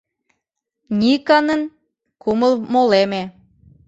— Никонын кумыл молеме.